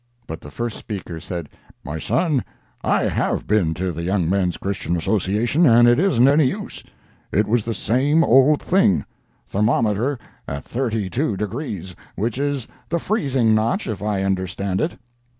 But the first speaker said: "My son, I have been to the Young Men's Christian Association, and it isn't any use; it was the same old thing—thermometer at 32 degrees, which is the freezing notch, if I understand it.